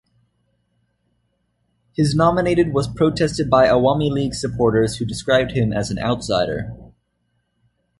His nominated was protested by Awami League supporters who described him as an "outsider".